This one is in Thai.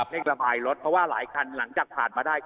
เร่งระบายรถเพราะว่าหลายคันหลังจากผ่านมาได้